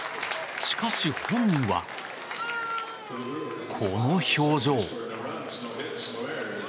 しかし本人は、この表情。